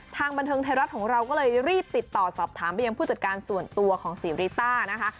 บันเทิงไทยรัฐของเราก็เลยรีบติดต่อสอบถามไปยังผู้จัดการส่วนตัวของศรีริต้านะคะ